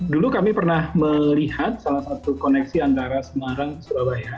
dulu kami pernah melihat salah satu koneksi antara semarang surabaya